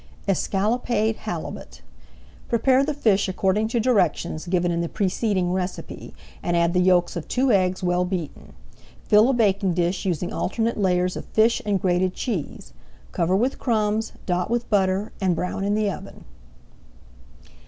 ESCALLOPED HALIBUT Prepare the fish according to directions given in the preceding recipe, and add the yolks of two eggs well beaten. Fill a baking dish, [Page 183] using alternate layers of fish and grated cheese. Cover with crumbs, dot with butter, and brown in the oven.